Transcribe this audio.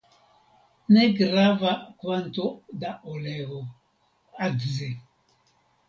Negrava kvanto da oleo (Adze).